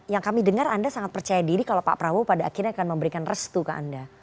yang kami dengar anda sangat percaya diri kalau pak prabowo pada akhirnya akan memberikan restu ke anda